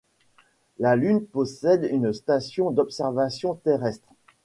La Lune possède une station d'observation terrestre.